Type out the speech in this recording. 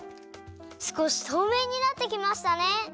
すこしとうめいになってきましたね！